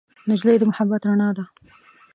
نجلۍ د محبت رڼا ده.